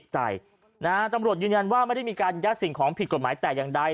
ตำรวจยืนยันว่าไม่ได้มีการยัดสิ่งของผิดกฎหมายแต่อย่างใด